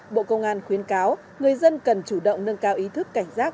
bộ công an khuyến cáo người dân cần chủ động nâng cao ý thức cảnh giác